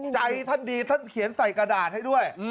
ใจท่านดีท่านเขียนใส่กระดาษให้ด้วย